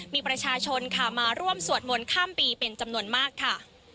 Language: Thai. มีประชาชนค่ะมาร่วมสวดมนต์ข้ามปีเป็นจำนวนมากค่ะ